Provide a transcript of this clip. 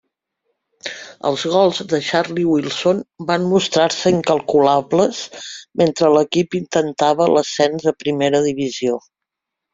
Els gols de Charlie Wilson van mostrar-se incalculables mentre l'equip intentava l'ascens a primera divisió.